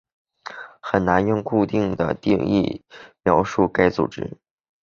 很难用固定的定义描述该组织。